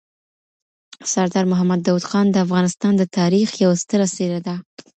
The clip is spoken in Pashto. سردار محمد داود خان د افغانستان د تاریخ یو ستره څېره ده.